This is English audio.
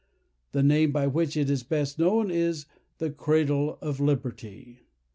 The name by which it is best known, is, "the Cradle of Liberty."